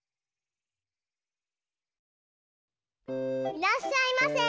いらっしゃいませ！